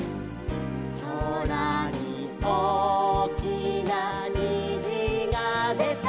「そらにおおきなにじがでた」